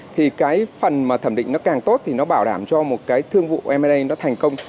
thì cái phần mà thẩm định nó càng tốt thì nó bảo đảm cho một cái thương vụ merdam nó thành công